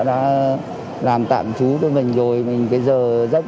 đã làm tạm biệt